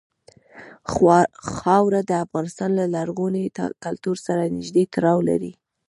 خاوره د افغانستان له لرغوني کلتور سره نږدې تړاو لري.